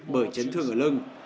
bởi chấn thương ở lưng